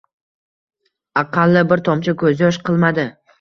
Aqalli bir tomchi ko`zyosh qilmadi